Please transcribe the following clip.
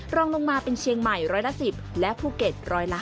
รองลงมาเป็นเชียงใหม่ร้อยละ๑๐และภูเก็ต๑๕